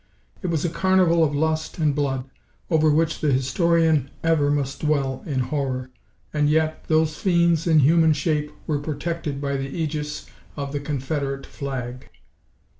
It was a carnival of lust and blood, over which the historian ever must dwell in horror. And yet, these fiends in human shape were protected by the ægis of the "Confederate" flag!